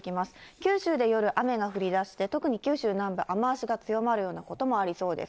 九州で夜、雨が降りだして、特に九州南部、雨脚が強まるようなこともありそうです。